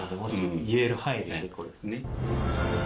言える範囲で結構です。